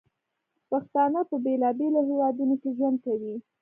پښتانه په بیلابیلو هیوادونو کې ژوند کوي.